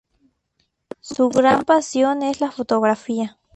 Su gran pasión es la fotografía.